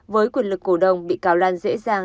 với quyền lực cổ đồng bị cáo lan